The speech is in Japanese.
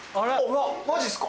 マジっすか？